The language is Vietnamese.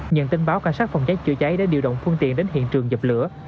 nhận tin báo cảnh sát phòng cháy chữa cháy đã điều động phương tiện đến hiện trường dập lửa